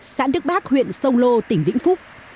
sản đức bác huyện sông lô tỉnh vĩnh phúc